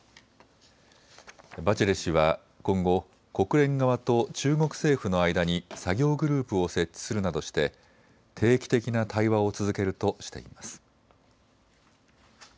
バチェレ氏は今後、国連側と中国政府の間に作業グループを設置するなどして定期的な対話を続けるとしています。